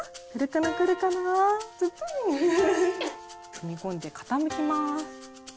踏み込んで傾きます。